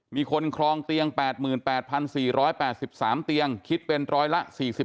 มีคนครองเตียง๘๘๔๘๓เตียงคิดเป็นร้อยละ๔๔